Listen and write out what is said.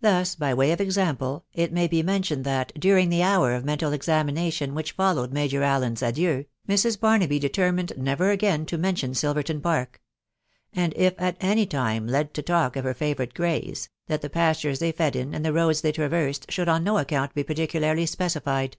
Thus, by way of example, it may be mentioned that, during the hour of meolal examination which followed Major Allen's adieux, Mrs. Bar* naby determined never again to mention Silverton Park ; and, if at any time led to talk of her favourite greys, that the pastures they fed in, and the roads they traversed, should en no account be particularly specified.